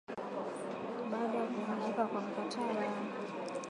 baada ya kuvunjika kwa mkataba